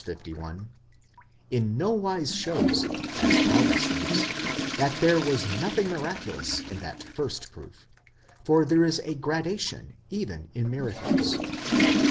51),—in nowise shows, as Paulus thinks, that there was nothing miraculous in that first proof, for there is a gradation even in miracles.